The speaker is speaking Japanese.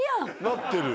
なってる。